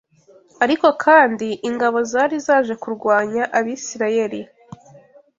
Ariko kandi, ingabo zari zaje kurwanya Abisirayeli